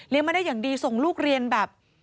มาได้อย่างดีส่งลูกเรียนแบบ